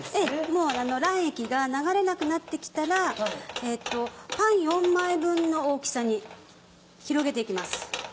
もう卵液が流れなくなって来たらパン４枚分の大きさに広げて行きます。